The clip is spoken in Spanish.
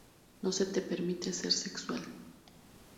No se te permite ser sexual.